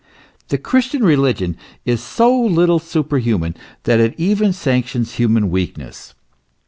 The Christian religion is so little superhuman, that it even sanctions human weakness.